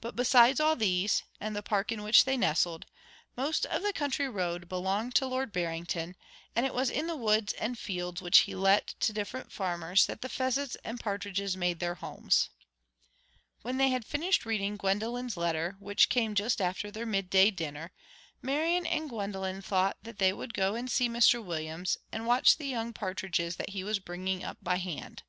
But besides all these, and the Park in which they nestled, most of the country round belonged to Lord Barrington; and it was in the woods and fields which he let to different farmers that the pheasants and partridges made their homes. When they had finished reading Gwendolen's letter, which came just after their middle day dinner, Marian and Gwendolen thought that they would go and see Mr Williams, and watch the young partridges that he was bringing up by hand.